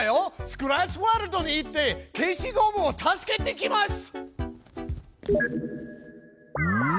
スクラッチワールドに行って消しゴムを助けてきます！